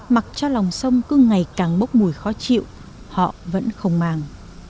mặc cho lòng sông cứ ngày càng mốc mùi khó chịu họ vẫn không màng